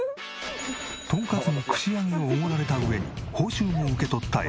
とんかつに串揚げをおごられた上に報酬も受け取ったえ